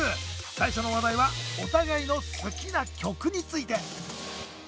最初の話題はお互いの好きな曲について。